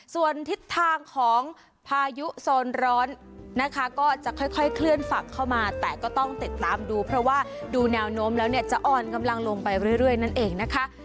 ส่วนทิศทางของพายุโซนร้อนนะคะก็จะค่อยเคลื่อนฝักเข้ามาแต่ก็ต้องติดตามดูเพราะว่าดูแนวโน้มแล้วเนี่ยจะอ่อนกำลังลงไปเรื่อยนั่นเองนะคะ